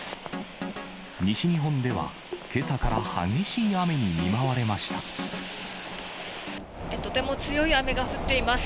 西日本では、けさから激しい雨にとても強い雨が降っています。